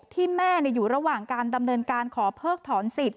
ที่แม่อยู่ระหว่างการดำเนินการขอเพิกถอนสิทธิ